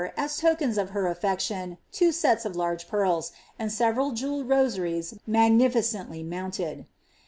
as lukeiis of her aflecuon, two acts of large pearls,' and severul jewelled rosariea magiiiticently mounted.